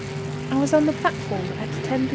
I was on the platform at 10 P.